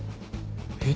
えっ？